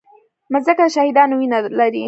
مځکه د شهیدانو وینه لري.